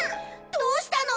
どうしたの？